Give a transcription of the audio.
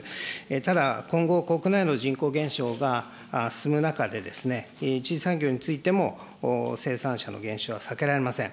ただ、今後、国内の人口減少が進む中でですね、一次産業についても生産者の減少は避けられません。